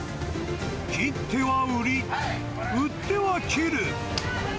切っては売り、売っては切る。